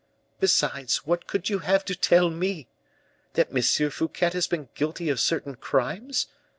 Besides, what could you have to tell me? That M. Fouquet has been guilty of certain crimes?